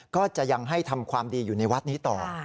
ก็จะยังให้ทำความดีอยู่ในวัดนี้ต่อ